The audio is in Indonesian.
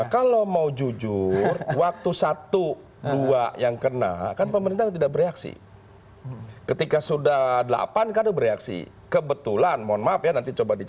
kalau kpu mengajukan undang undang jangan dipancing kami untuk berpendapat soal itu